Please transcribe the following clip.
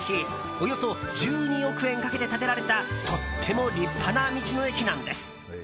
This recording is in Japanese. およそ１２億円かけて建てられたとっても立派な道の駅なんです。